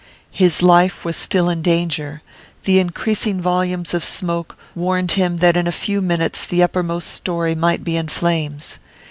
His life was still in danger; the increasing volumes of smoke warned him that in a few minutes the uppermost storey might be in flames.